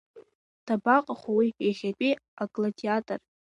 Дабаҟаху уи, иахьатәи агладиатор!